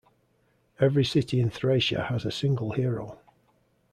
Every city in Thracia has a single hero.